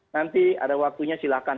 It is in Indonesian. nanti ada waktunya silakan